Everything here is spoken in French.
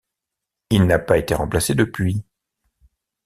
Il n'a pas été remplacé depuis.